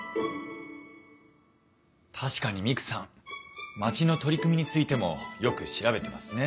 確かにミクさん町の取り組みについてもよく調べてますね。